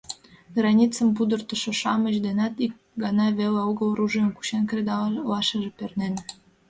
Границым пудыртышо-шамыч денат ик гана веле огыл, оружийым кучен, кредалашыже пернен.